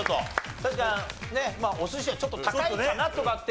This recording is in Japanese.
確かにねお寿司はちょっと高いかなとかって。